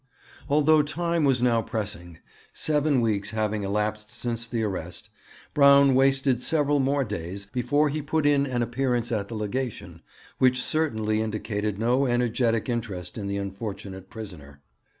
Although time was now pressing, seven weeks having elapsed since the arrest, Braun wasted several more days before he put in an appearance at the Legation, which certainly indicated no energetic interest in the unfortunate prisoner.